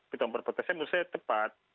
pitang perpotensi menurut saya tepat